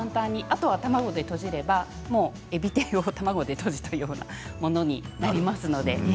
あとは卵でとじればえび天を卵でとじたような感じになります。